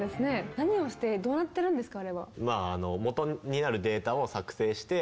何をしてどうなってるんですかあれは。